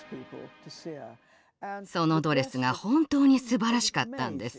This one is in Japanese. そのドレスが本当にすばらしかったんです。